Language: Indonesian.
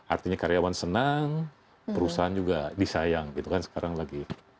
artinya karyawan senang perusahaan juga disayang gitu kan sekarang lagi